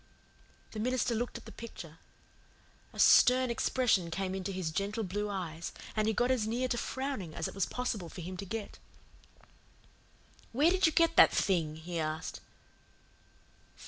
The minister looked at the picture. A stern expression came into his gentle blue eyes and he got as near to frowning as it was possible for him to get. "Where did you get that thing?" he asked.